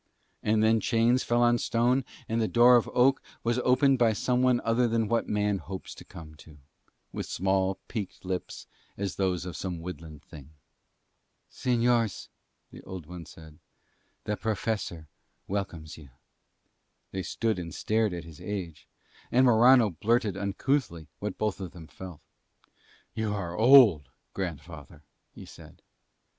And then chains fell on stone and the door of oak was opened by some one older than what man hopes to come to, with small, peaked lips as those of some woodland thing. "Señores," the old one said, "the Professor welcomes you." They stood and stared at his age, and Morano blurted uncouthly what both of them felt. "You are old, grandfather," he said.